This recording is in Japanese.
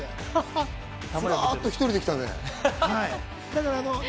フラっと１人で来たね。